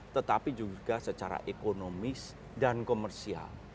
tetapi juga secara ekonomis dan komersial